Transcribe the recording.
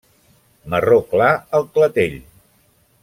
Marró clar al clatell.